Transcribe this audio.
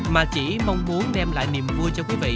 mà chỉ mong muốn đem lại niềm vui cho quý vị